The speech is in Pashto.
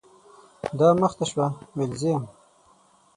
دا مخ ته شوه ، ویل زه یم .